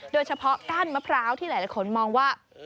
โดยเฉพาะก้านมะพร้าวที่หลายคนมองว่า